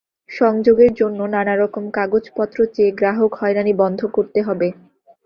সংযোগের জন্য নানা রকম কাগজপত্র চেয়ে গ্রাহক হয়রানি বন্ধ করতে হবে।